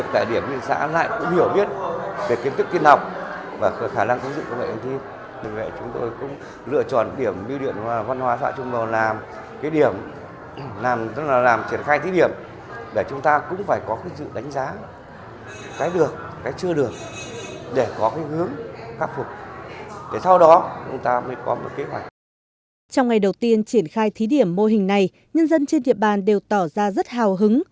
trong ngày đầu tiên triển khai thí điểm mô hình này nhân dân trên địa bàn đều tỏ ra rất hào hứng